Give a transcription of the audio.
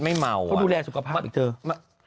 มันดูแลสุขภาพของเรา